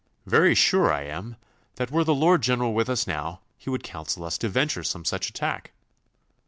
Very sure I am that were the Lord General with us now he would counsel us to venture some such attack.